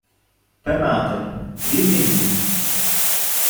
Пенати — рідний дім